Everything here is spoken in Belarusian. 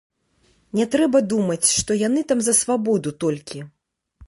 Не трэба думаць, што яны там за свабоду толькі.